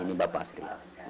ini bapak asri